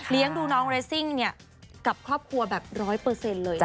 ดูน้องเรสซิ่งกับครอบครัวแบบร้อยเปอร์เซ็นต์เลย